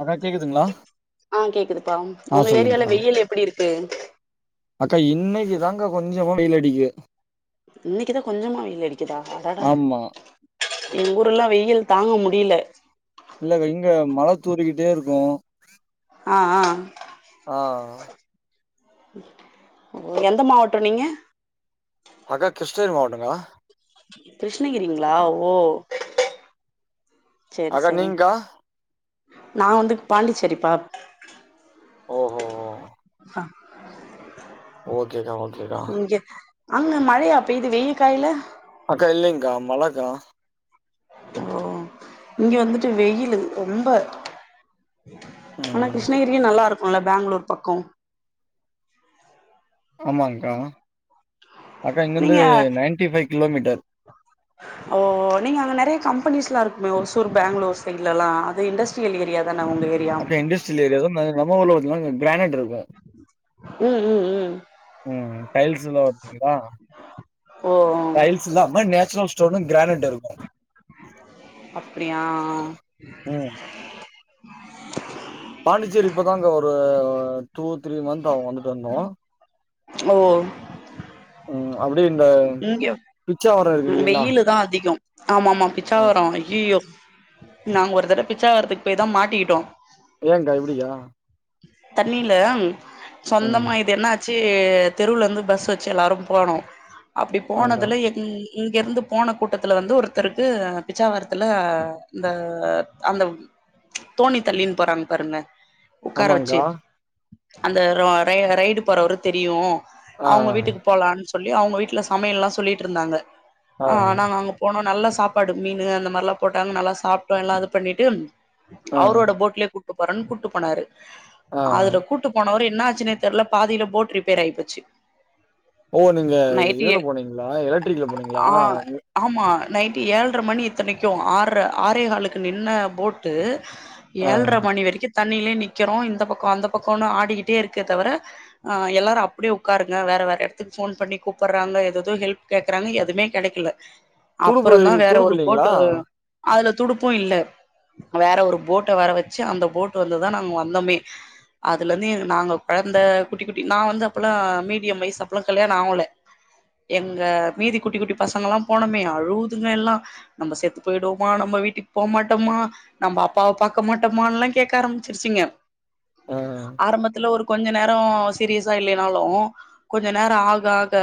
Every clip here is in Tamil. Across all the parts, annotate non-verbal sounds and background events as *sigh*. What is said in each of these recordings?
அக்கா கேக்குதுங்ளா ஆ கேக்குதுப்பா உங்க ஏரியால வெயில் எப்டி இருக்கு அக்கா இன்னைக்கு தாங்கா கொஞ்சமா வெயில் அடிக்கு இன்னைக்குதா கொஞ்சமா வெயில் அடிக்குதா அடடா ஆமா எங் ஊரெல்லா வெயில் தாங்க முடில இல்லக்கா இங்க மழ தூறிக்கிட்டே இருக்கு ஆ ஆ ஆ எந்த மாவட்டோ நீங்க அக்கா கிருஷ்ணகிரி மாவட்டங்கா கிருஷ்ணகிரிங்ளா ஓ செரி அக்கா செரி நீங்க்கா நா வந்து பாண்டிச்சேரிப்பா ஓஹோ ஓ ஓகே கா ஓகே இங்க அங்க மழையா பெய்து வெயில் காயில அக்கா இல்லைங்கா மழக்கா ஓ இங்க வந்துட்டு வெயிலு ரொம்ப ஆனா ம் கிருஷ்ணகிரியு நல்லா இருக்குல பெங்களூர் பக்கோ ஆமாங்கா அக்கா இங்க இந்து நீங்க நைன்டி ஃபைவ் கிலோமீட்டர் ஓ நீங்க அங்க நறைய கம்பெணிஸ்லா இருக்குமே ஒசூர் பெங்களூர் சைட் எல்லா அது இண்டஸ்ட்ரியல் ஏரியா தான உங்க ஏரியா அக்கா இண்டஸ்ட்ரியல் ஏரியா தா நம்ம ஊர் பாத்தீங்னா கிரானைட் இருக்கு ம் ம் ம் டைல்ஸ் எல்லா *unintelligible* ஓ டைல்ஸ் இல்லாம நேச்சுரல் ஸ்டோனு கிரரானைட் இருக்கு அப்டியா ம் பாண்டிச்சேரி இப்பதாங்கா ஒரு டூ த்ரீ மந்த்த் ஆவு வந்துட்டு வந்தோ ஓ ம் அப்டியே இந்த இங்க பிச்சாவரம் இருக்கு இல்லைங்களா வெயிலு தா அதிகம் ஆமாமா ஆமா பிச்சாவரம் ஐயையோ நாங்க ஒரு தடவ பிச்சாவரத்துக்கு போய் தா மாட்டிக்கிட்டோ ஏங்க்கா எப்டிக்கா தண்ணில ம் சொந்தமா இது என்னா ச்சு தெருல இருந்து பஸ் வச்சு எல்லாரு போனோ அப்டி ஆங்க்கா போனதுல எ ம் இங்கிர்ந்து போன கூட்டத்துல வந்து ஒருத்தருக்கு பிச்சாவரத்துல இந்த அந்த தோணி தள்ளீன் போறாங் பாருங்க உக்கார வெச்சு ஆமாங்க்கா அந்த ரோ ரை ரைடு போறவரு தெரியு ஆ அவுங்க வீட்டுக்கு போலான் சொல்லி அவங்க வீட்ல சமையல்லா சொல்லிட்ருந்தாங்க ஆ நாங்க அங்க போனோ நல்லா சாப்பாடு மீனு அந்த மார்லா போட்டாங்க நல்லா சாப்ட்டோ எல்லா அது பண்ணிட்டு ஆ அவரோட போட்லயே கூப்ட்டு போறேன் கூப்ட்டு போனாரு ஆ அதுல கூ ப்ட்டு போனவரு என்ன ஆச்சுன்னே தெர்ல பாதில போட் ரிப்பேர் ஆய்போச்சி ஓ நீங்க இதுல போனீங்ளா எலக் ஆ ஆமா நைட்டு ஏழ்ர மணி இத்தனைக்கு ஆர்ற ஆறேகாலுக்கு நின்ன போட்டு ஆ ஏழ்ர மணி வரிக்கு தண்ணிலே நிக்கறோ இந்த பக்கோ அந்த பக்கோனு ஆடிக்கிட்டே இருக்கே தவுர ஆ எல்லாரு அப்டியே உக்காருங்க வேற வேற எட்த்துக் ஃபோன் பண்ணி கூப்பட்றாங்க எதெ தோ ஹெல்ப் கேக்கறாங்க எதுமே கெடைக்கல துடுப்பு அப்பறந்தா வேற துடுப்பு ஒரு இல்லைங்களா போட்டு் அதுல துடுப்பு இல்ல வேற ஒரு போட்ட வர வெச்சி அந்த போட்டு் வந்துதா நாங் வந்தமே அதுலர்ந்து எ நாங்க கொழந்த குட்டி குட்டி நா வந்து அப்பல்லா மீடியம் வய்சு அப்பல்லா கல்யாணோ ஆவல எங்க மீதி குட்டி குட்டி பசங்கல்லா போனமே அழுவுதுங்க எல்லா நம்ப செத்து போய்டுவோமா நம்ம வீட்டுக் போ மாட்டமா நம்ப அப்பாவ பாக்க மாட்டமான்லா கேக்க ஆரம்பிச்சிருச்சிங்க ஆ ஆரம்பத்துல ஒரு கொஞ்ச நேரோ சீரியஸா இல்லினாலு கொஞ்ச நேரோ ஆக ஆக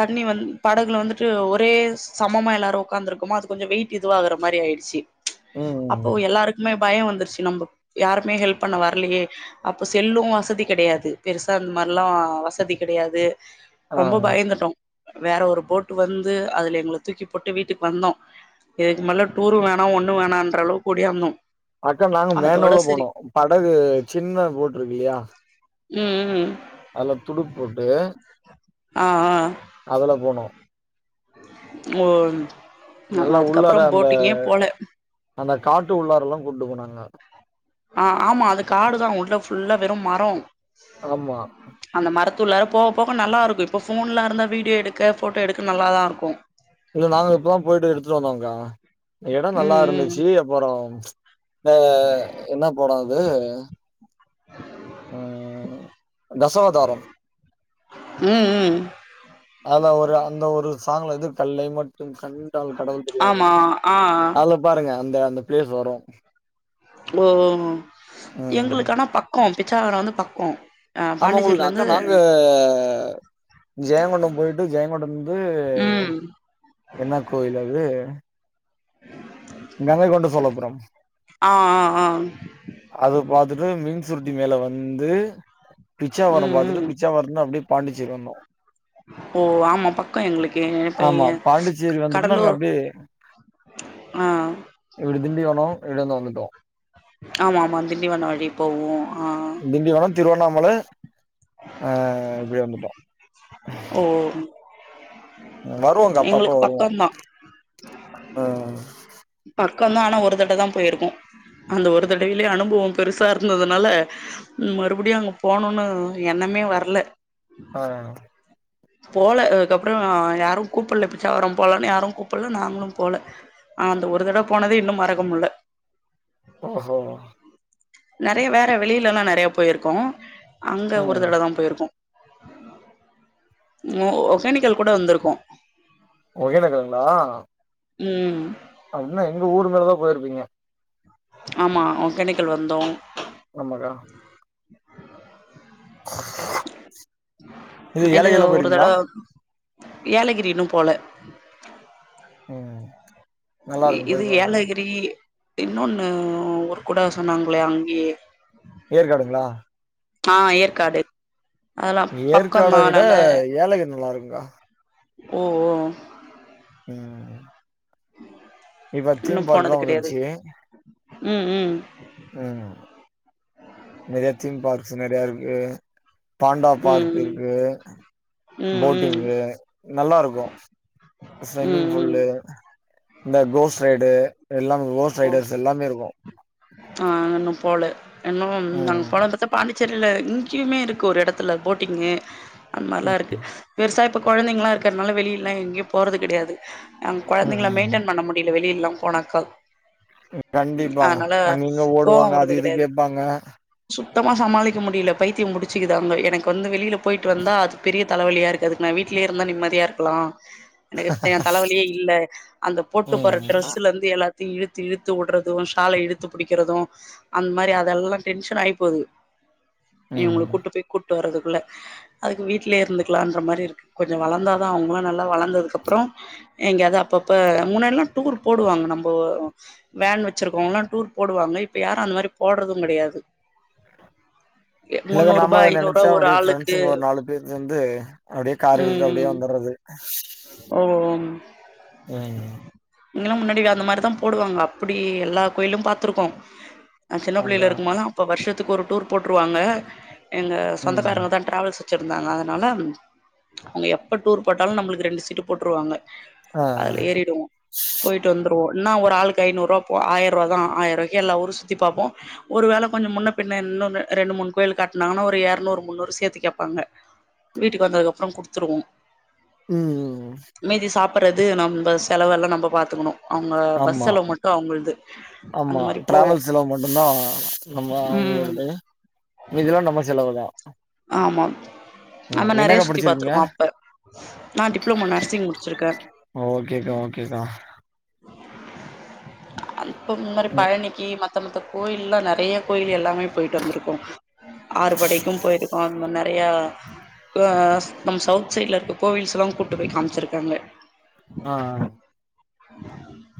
தண்ணி வந் படகுல வந்துட்டு ஒரே சமமா எல்லாரு ஒக்காந்திருக்கோமா அது கொஞ்சோ வெயிட் இதுவாகுற மாரி ஆய்டுச்சி அப்போ ம் எல்லாருக்மே பயோ வந்துருச்சி நம்ப யாருமே ஹெல்ப் பண்ண வர்லயே அப்போ செல்லு வசதி கெடையாது பெருசா இந் மார்லா வசதி கெடையாது ஆ ரொம்ப பயந்துட்டோ வேற ஒரு போட்டு வந்து அதுல எங்கள தூக்கி போட்டு வீட்டுக் வந்தோ இதுக்கு மேல டூரு வேணா ஒன்னு வேணான்ற அளவுக்கு ஓடியாந்தோ அக்கா நாங்க அதோட மேனோல சரி போனோ படகு சின்ன போட்ருக் இல்லியா ம் ம் அதுல துடுப் போட்டு ஆ ஆ அதுல போனோ ஓ *unintelligible* நா நல்லா உள்ளார அதுக்கப்பறம் அந்த போட்டிங்கே போல அந்த காட்டு உள்ளாரெல்லா கொண்டு போனாங்க ஆ ஆமா அது காடு தா உள்ள ஃபுல்லா வெறும் மரோ ஆமா அந்த மரத்துள்ளார போக போக நல்லாருக்கு இப்ப ஃபோன்லா இருந்தா வீடியோ எடுக்க ஃபோட்டோ எடுக்க நல்லாதா இருக்கு இல்ல நாங்க இப்பதா போய்ட்டு எடுத்துட்டு வந்தோங்க்கா எடோ ம் நல்லா ம் இருந்துச்சி அப்பறோ த என்ன படோ அது ம் தசவதாரம் ம் ம் அதுல ஒரு அந்த ஒரு சாங்லது கல்லை மட் டும் கண்டால் கடவுள் தெரியாது ஆமா ஆ அதுல பாருங்க அந்த அந்த ப்ளேஸ் வரு ஓ ம் எங்களுக்கானா பக்கோ பிச்சாவரோ வந்து பக்கோ ஆ ஆமா உங்களுக் பாண்டிச்சேரில அக்கா இருந்து நாங்க ஜெயம்கொண்டம் போய்ட்டு ஜெயம்கொண்டந்து ம் என்னா கோயில் அது கங்கை கொண்ட சோழப்புரம் ஆ ஆ ஆ ம் அத பாத்துட்டு மீன் சுருட்டி மேல வந்து பிச்சாவரம் ம் பாத்துட்டு ம் பிச் பிச்சாவரோ இருந்து அப்டியே பாண்டிச்சேரி வந்தோ ஓ ஆமா பக்கோ எங்களுக்கு இப்ப ஆமா ஏ பாண்டிச்சேரி வந்துட்டு நாங்க கடலூர் அப்டியே ஆ இப்டி திண்டிவனோ இப்டி வந்து வந்துட்டோ ஆமா ஆமா திண்டிவனோ வழி போவோ ஆ திண்டிவனோ திருவண்ணாமல ஆ இப்டி வந்துட்டோ ஓம் வருவோங்க அப்ப அப்ப வருவோ பக்கந்தா ஆ பக்கந்தா ஆனா ஒரு தடவ தா போயிருக்கோ அந்த ஒரு தடவேலயே அனுபவோ பெருசா இருந்ததுனால ம் மறுபடியு அங்க போனுன்னு எண்ணமே வரல ஆ போல அதுக்கப்பறோ யாரு கூப்புல்ல பிச்சாவரோ போலான்னு யாரு கூப்புல்ல நாங்களு போல ஆ அந்த ஒரு தடவ போனதே இன்னு மறக்க முல்ல ஓஹோ நெறைய வேற வெளிலல்லா நெறைய போயிருக்கோ அங்க ஒரு ம் தடவ தா போயிருக்கோ ஓ ஒகேனக்கல் கூட வந்துருக்கோ ஒகேனக்கலுங்களா ம் ஆ என்ன எங்க ஊர் மேலதா போயிருப்பீங்க ஆமா ஒக்கேனக்கல் வந்தோ நம்ம கா இது ஏலகிரிலா ஒரு போயிருக்கீங்களா தடவ ஏலகிரி இன்னு போல ம் நல்லா இ இருக்கு இது போய் பாருங்க ஏலகிரி இன்னொன்னு அவரு கூட சொன்னாங்களே அங்கயே ஏற்காடுங்ளா ஆ ஏற்காடு அதெல்லா ஏற்காட பக்கோந்தா விட நல்ல ஏலகிரி நல்லா இருக்குக்கா ஓ ஓ ம் இப்ப இன்னு தீம் போனது பார்க்லா கெடையாது வந்துருச்சி ம் ம் ம் நெறைய தீம் பார்க்கஸ்சு நெறையா இருக்கு பாண்டா ம் பார்க் ம் இருக்கு ம் ம் போட்டிங்கு நல்லா இருக்கு ஸ்விம்மிங் ம் புல்லு இந்த கோஸ்ட் ரைடு எல்லா கோஸ்ட் ம் ரைடர்ஸ் எல்லாமே இருக்கு ஆ இன்னும் போல இன்னு நாங்க ம் போனத பாத்தா பாண்டிச் சேரில இங்கயுமே இருக்கு ஒரு இடத்துல போட்டிங்கு அந்த மாரிலா ம் இருக்கு பெர்சா இப்ப கொழந்தைங்கல்லா இருக்குறதுனால வெளியல்லா எங்கயு போறது கெடையாது ஆ கொழந்தைங்கள ம் மெயின்டைன் பண்ண முடியல வெளிலல்லா போனாக்கா கண்டிப்பா அதனால அங்க இங்க போக ஓடுவாங்க அது வுடுறது இது கெடையாது கேப்பாங்க சுத்தமா சமாளிக்க முடியல பைத்தியோ பிடிச்சிக்குது அங்க எனக்கு வந்து வெளில போயிட்டு வந்தா அது பெரிய தலைவலியா இருக்கு அதுக்கு நா வீட்டுலயே இருந்தா நிம்மதியா இருக்கலா எனக்கு ஏ தலவலியே இல்ல அந்த போட்டு போற ம் ஆ. டிரரெஸ்ல இருந்து எல்லாத்தையு இழுத்து இழுத்து உடுறது உ ஷால இழுத் து பிடிக்கிறது அந்த மாரி அதெல்லா டென்ஷன் ஆகி போகுது இவங்கள ம் கூப்ட்டு போய் கூட்டு போறதுக்குல்ல அதுக்கு வீட்லயே இருந்துக்கலான்ற மாரி இருக்கு கொஞ்சம் வளர்ந்தாதான் அவங்களும் நல்லா வளர்ந்ததுக்கு அப்றம் எங்கேயாவது அப்பப்ப முன்னல்லாம் டூர் போடுவாங்க நம்போ வேன் வச்சிருக்கோன்னா டூர் போடுவாங்க இப்ப யாரும் அந்த மாரி போடுறதும் கெடையாது இல்லக்கா முன்னூரூபா நம்ப ஒன்னு ஐநூரூபா நெனைச்சா ஒரு நம்பளுடைய ஆளுக்கு ஃப்ரெண்ட்ஸுங்க ஒரு நாலு பேரு சேந்து அப்டியே கார ம் எடுத்துட்டு அப்டியே ம் வந்துடுறது அஷ் ஓ இங்கல்லாம் முன்னாடி அந்த மாதிரிதான் போடுவாங்க அப்டி எல்லா கோயிலும் பாத்திருக்கோம் நான் சின்ன புள்ளையில அங்கா இருக்கும்போதுலா அப்போ வருஷத்துக்கு ஒரு டூர் போட்டுருவாங்க எங்க ம் சொந்தக்காரங்க தான் ட்ராவல்ஸ் வச்சிருந்தாங்க அதனால அவங்க எப்ப டூர் போட்டாலும் நம்மளுக்கு ரெண்டு சீட்டு போட்ருவாங்க ஆ அதுல ஏறிடுவோம் போயிட்டு வந்துருவோம் என்னா ஒரு ஆளுக்கு ஐந்நூறுவா போ ஆயரம் ரூவா தான் ஆயிரூவாய்க்கே எல்லா ஊரும் சுத்தி பாப்போம் ஒரு வேளை கொஞ்சம் முன்ன பின்ன இன்னோன்னு ரெண்டு மூணு கோயில் காட்டுனாங்கன்னா ஒரு இரநூறு முன்னூறு சேத்து கேப்பாங்க வீட்டுக்கு வந்ததுக்கப்றம் கொடுத்துருவோம் ம் மீதி சாப்பிற்றது நம்ம செலவெல்லாம் நம்ம பாத்துக்கணும் அவங்க பஸ் ஆமா செலவு மட்டும் அவங்களது அந்த ஆமா மாதிரி போவோம் டிராவல் செலவு மட்டுந்தா நம்ம அவங்களோடது மீதிலாம் நம்ம செலவுதான் ஆமா நம்ம நெறைய சுத்தி படிச்சிருக்கீங்க பாத்துருக்கோம் அப்ப நான் டிப்ளமோ நர்சிங் முடிச்சிருக்கேன் ஓகேக்கா ஓகேக்கா அப்ப இந்த மாதிரி ம் பழனிக்கு மத்த மத்த கோயில்லாம் நெறைய கோயில் எல்லாமே போயிட்டு வந்திருப்போம் ஆறுபடைக்கும் போயிட்டுருப்போம் இன்னும் நெறையா அ நம்ம சவுத் சைடுல இருக்க கோவில்ஸ் எல்லாம் கூட்டு போயி காமிச்சிருக்காங்க ஆ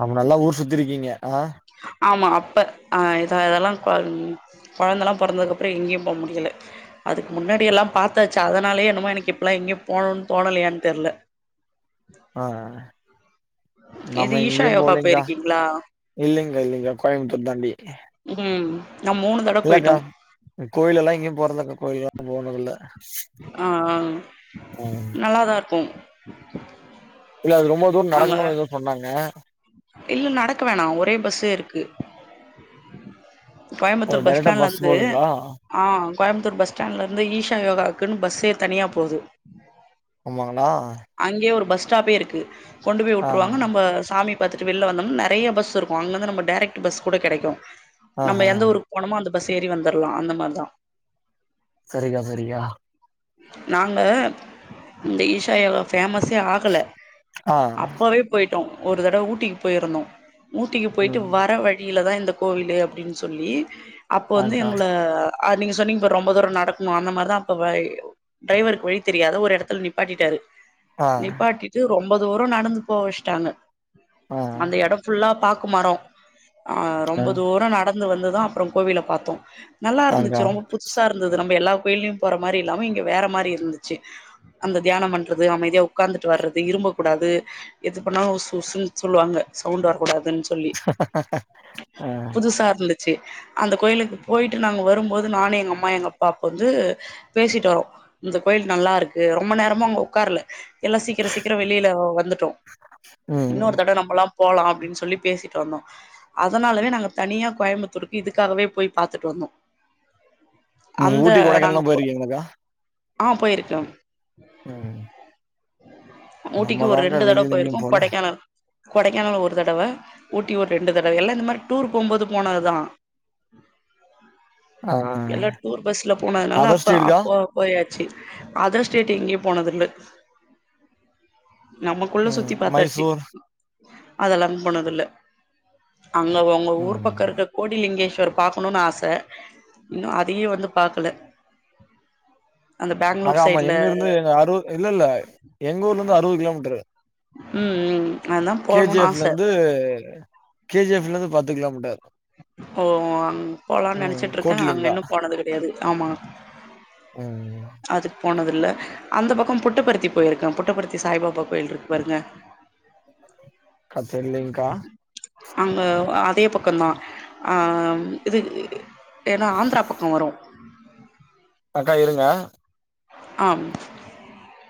அப்ப நல்லா ஊர் சுத்தி இருக்கீங்க அ ஆமா அப்ப அ இத இதெல்லாம் கொ கொழந்தெல்லாம் பொறந்ததுக்கு அப்றம் எங்கேயும் போ முடியல அதுக்கு முன்னாடி எல்லாம் பாத்தாச்சு அதனாலயே என்னமோ எனக்கு இப்பல்லாம் எங்கயும் போணும்ன்னு தோணலையான்னு தெரில ஆ நம்ம இது ஈஷா எங்கேயும் யோகா போலைங்க்கா போயிருக்கீங்களா இல்லிங்க இல்லிங்க கோயம்புத்தூர் தாண்டி ம் நா மூணு தடவ போயிட்டோ இல்லக்கா கோயிலல்லாம் எங்கேயும் போறதக்கா கோயிலல்லாம் போனதுல்ல ஆ நல்லாதான் இருக்கும் இல்ல அது ரொம்ப தூரம் நடக்கணும் ஏதோ சொன்னாங்க இல்ல நடக்க வேணா ஒரே பஸ்ஸே இருக்கு ஒரு கோயம்புத்தூர் பஸ் டைரெக்டா ஸ்டாண்ட்லருந்து போதுங்களா ஆ கோயம்புத்தூர் பஸ் ஸ்டாண்ட்ல இருந்து ஈஷா யோகாக்குன்னு பஸ்ஸே தனியா போவுது ஆமாங்களா அங்கேயே ஒரு பஸ் ஸ்டாப்பே இருக்கு கொண்டு போய் ஆ விட்டுருவாங்க நம்ம சாமி பாத்துட்டு வெளில வந்தோம்னா நெறைய பஸ் இருக்கும் அங்கேந்து நம்ம டைரக்ட் பஸ் கூட கிடைக்கும் ஆ நம்ம ஆ எந்த ஒரு போனமா அந்த பஸ் ஏறி வந்துடலாம் அந்த மாதிரிதான் சரிகா சரிகா நாங்க இந்த ஈசா யோகா ஃபேமஸே ஆகல ஆ அப்பவே போயிட்டோ ஒரு தடவ ஊட்டிக்கு போயிருந்தோ ஊட்டிக்கு போயிட்டு ம் வர வழியிலதா இந்த கோவிலே அப்டின் சொல்லி அப்ப வந்து ஆங்க்கா எங்கள அ நீங்க சொன்னீங்க பாரு ரொம்ப தூரொ நடக்கணு அந்த மாரிதா அப்ப வைவ் டிரைவருக்கு வழி தெரியாத ஒரு எடத்துல நிப்பாட்டிட்டாரு ஆ நிப்பாட்டிட்டு ரொம்ப தூரொ நடந்து போ வச்சுட்டாங்க ஆ அந்த எடொ ஃபுல்லா பாக்கு மரோ ஆ ரொம்ப தூரோ நடந்து வந்துதா அப்புறோ கோவில பாத்தோ நல்லா ஆங்க்கா இருந்துச்சு ரொம்ப புதுசா இருந்தது நம்ப எல்லா கோயிலயு போற மாரி இல்லாம இங்க வேற மாரி இருந்துச்சு அந்த தியானம் பண்றது அமைதியா உக்காந்துட்டு வர்றது இரும்பக்கூடாது எது பண்ணாலு உஸ் உஸ்ன்னு சொல்லுவாங்க சவுண்ட் வரக்கூடாதுன்னு சொல்லி ஆ புதுசா இருந்து ச்சு அந்த கோயிலுக்கு போயிட்டு நாங்க வரும்போது நானு எங்க அம்மா எங்க அப்பா அப்ப வந்து பேசிட்டு வரோ இந்த கோயில் நல்லாருக்கு ரொம்ப நேரமா அங்க உக்காருல எல்லா சீக்கிர சீக்கிரொ வெளில வ இன்னோரு ம் தடவ நம்பல்லா போலா அப்டின் சொல்லி பேசிட்டு வந்தோ அதனாலவே நாங்க தனியா கோயம்புத்தூருக்கு இதுக்காகவே போயி பாத்துட்டு வந்தோ ம் அந்த ஊட்டி கொடைக்கானல்லா நாங்க போயிருக்கீங்களாக்கா ஆ போயிருக்கோ ம் ம் ஊட்டிக்கு ஒரு நம்மதான்க்கா ரெண்டு தடவ வெளியில எங்கயு பொயிருக்கோ போல கொடைக்கானல் கொடைக்கானல் ஒரு தடவ ஊட்டி ஒரு ரெண்டு தடவ எல்லா இந்த மாரி டூர் போம்போது போனதுதா ஆ எல்லா டூர் பஸ்ல போனதுனால அதர் அப்ப ஸ்டேட்க்கா அப்போ போயாச்சு அதர் ஸ்டேட் எங்கயும் போனதுல்ல நமக்குள்ள சுத்தி ம் பாத்தாச்சு மைசூர் அதெல்லாம் போனதுல்ல அங்க ஒங்க ஊர் ம் பக்கொ இருக்க கோடி லிங்கேஸ்வர் பாக்கணுன் ஆச இன்னு அதையே வந்து பாக்கல அந்த பேங்களூர் அதாம்மா சைட்ல எங்கருந்து எங்க அறு இல்ல இல்ல எங்க ஊர்ல இருந்து அறுவது கிலோமீட்டரு ம் ம் அதான் கே ஜி போணுன்னு எப் ஆச லந்து கே ஜி எப் ல இருந்து பத்து கிலோமீட்டர் ஓ அங் போலான் ம் நெனைச்சிட்டுருக்க அங்க கூட்லிங்கா இன்னு போனது கெடையாது ஆமா ம் ம் அதுக்கு போனதில்ல அந்த பக்கம் புட்டப்பர்த்தி போய்ருக்க புட்டப்பர்த்தி சாய்பாபா கோயில் இருக்கு பாருங்க கா தெர்லிங்க்கா அங்க அதே பக்கந்தா ஆம் இது ஏன்னா ஆந்திரா பக்கொ வரு அக்கா இருங்க ஆம்